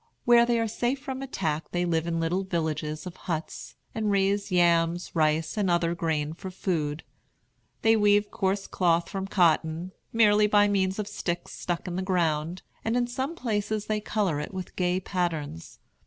Where they are safe from attack they live in little villages of huts, and raise yams, rice, and other grain for food. They weave coarse cloth from cotton, merely by means of sticks stuck in the ground, and in some places they color it with gay patterns.